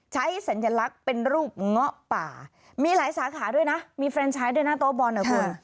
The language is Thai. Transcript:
สัญลักษณ์เป็นรูปเงาะป่ามีหลายสาขาด้วยนะมีเฟรนชายด้วยนะโต๊ะบอลนะคุณ